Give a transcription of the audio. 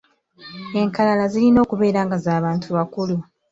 Enkalala zirina okubeera nga za bantu bakulu.